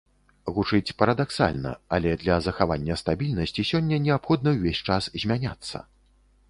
Гучыць парадаксальна, але для захавання стабільнасці сёння неабходна ўвесь час змяняцца.